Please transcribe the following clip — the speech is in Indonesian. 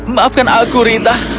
maafkan aku rita